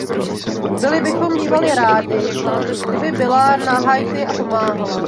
Byli bychom bývali rádi, kdyby byla na Haiti a pomáhala.